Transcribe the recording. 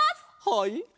はい。